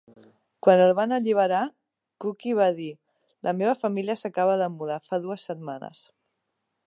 Quan el van alliberar, Kuqi va dir: La meva família s'acaba de mudar fa dues setmanes.